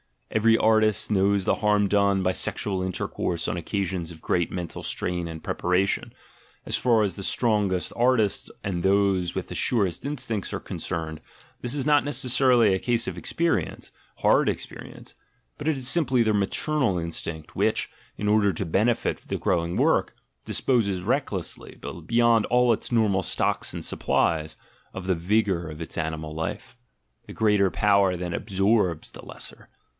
Every artist knows the harm done by sexual intercourse on occasions of great mental strain and preparation; as far as the strongest artists and those with the surest instincts are concerned, this is not necessarily a case of experience — hard experi ence — but it is simply their "maternal" instinct which, in order to benefit the growing work, disposes recklessly (beyond all its normal stocks and supplies) of the vigour of its animal life; the greater power then absorbs the lesser.